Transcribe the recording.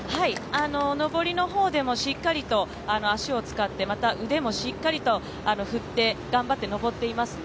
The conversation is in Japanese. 上りの方でもしっかりと足を使って、また腕もしっかりと振って頑張って上っていますね。